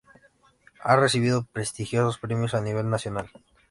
Ha recibido prestigiosos premios a nivel nacional.